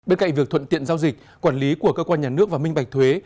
bên cạnh việc thuận tiện giao dịch quản lý của cơ quan nhà nước và minh bạch thuế